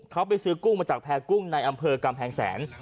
เขาไปซื้อกุ้งมาจากแพรกุ้งในอำเภอกำแพงแสน